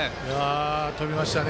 飛びましたね。